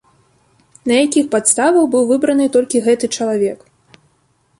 На якіх падставах быў выбраны толькі гэты чалавек?